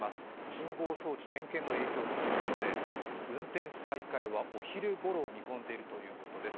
信号装置点検の影響ということで運転再開はお昼ごろを見込んでいるということです。